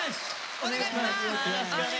お願いします！